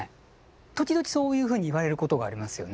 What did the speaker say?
時々そういうふうに言われることがありますよね。